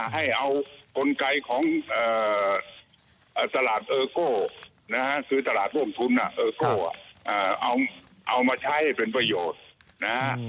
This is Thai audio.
ให้เอากลไกของตลาดเบื้องทุนเออโก่เอามาใช้เป็นประโยชน์